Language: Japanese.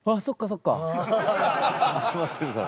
集まってるから。